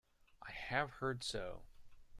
I have heard so.